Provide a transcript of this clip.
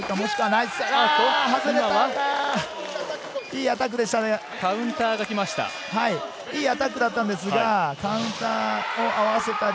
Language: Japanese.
いいアタックでしたね。